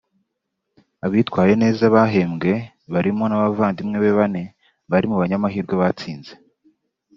Abitwaye neza bahembwe barimo n’abavandimwe be bane bari mu banyamahirwe batsinze